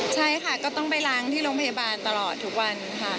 ใช่ค่ะก็ต้องไปล้างที่โรงพยาบาลตลอดทุกวันค่ะ